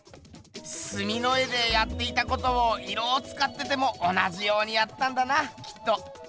すみの絵でやっていたことを色をつかってても同じようにやったんだなきっと。